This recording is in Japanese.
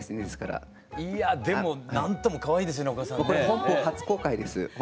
本邦初公開です。